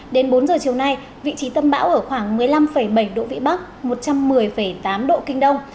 đến bốn giờ chiều nay vị trí tâm bão ở khoảng một mươi năm bảy độ vĩ bắc một trăm một mươi tám độ kinh đông